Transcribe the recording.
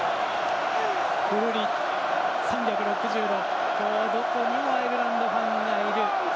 ぐるり３６０度、どこにもアイルランドファンがいる。